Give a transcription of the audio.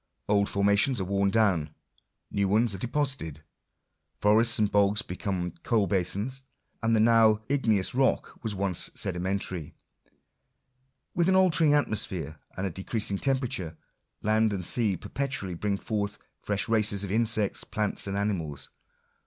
Old formations are worn down ; new ones are deposited. Forests and bogs become ooal basins; and the now igneous rock was once sedimentary. With an altering atmosphere, and a decreasing temperature, land and sea perpetually bring forth fresh races of insects, plants, and animals.